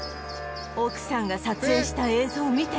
奥さんが撮影した映像を見てみると